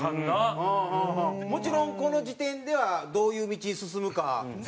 もちろんこの時点ではどういう道に進むか。